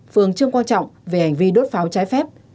phường trương quang trọng về hành vi đốt pháo trái phép